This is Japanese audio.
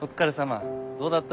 どうだった？